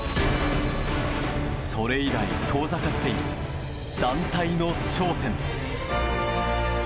それ以来、遠ざかっている団体の頂点。